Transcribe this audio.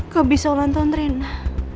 gak bisa ulang tahun reina